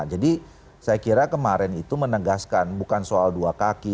jadi saya kira kemarin itu menegaskan bukan soal dua kaki